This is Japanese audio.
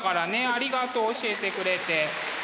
ありがとう教えてくれて。